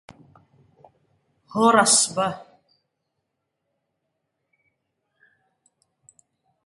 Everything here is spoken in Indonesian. Kebakaran!